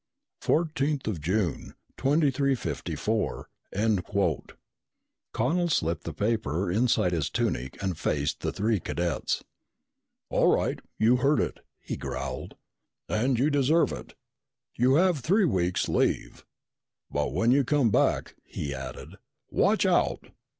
Fourteenth of June, 2354, end quote." Connel slipped the paper inside his tunic and faced the three cadets. "All right, you heard it!" he growled. "And you deserve it. You have three weeks' leave. But when you come back," he added, "watch out!"